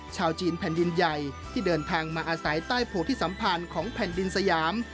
ชาวจีนแผ่นดินใหญ่ที่เดินทางมาอาศัยใต้โพธิสัมพันธ์ของแผ่นดินสยาม